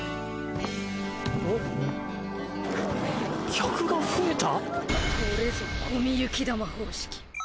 客が増えた？